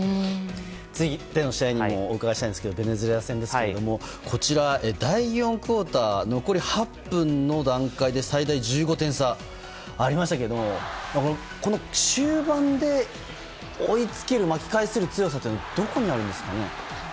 次の試合も伺いたいんですがベネズエラ戦ですがこちらは第４クオーター残り８分の段階で最大１５点差がありましたけれどこの終盤で追いつける巻き返せる強さっていうのはどこにあるんですかね。